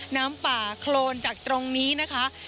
น้ำป่าโครนจากตรงนี้นะคะ